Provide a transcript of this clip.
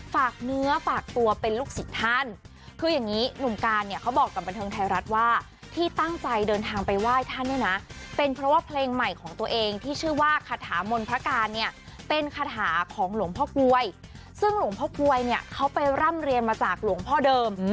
ฝากเนื้อฝากตัวเป็นลูกศิษย์ท่านคืออย่างนี้หนุ่มการเนี่ยเขาบอกกับบันเทิงไทยรัฐว่าที่ตั้งใจเดินทางไปไหว้ท่านเนี่ยนะเป็นเพราะว่าเพลงใหม่ของตัวเองที่ชื่อว่าคาถามนพระการเนี่ยเป็นคาถาของหลวงพ่อกลวยซึ่งหลวงพ่อกลวยเนี่ยเขาไปร่ำเรียนมาจากหลวงพ่อเดิม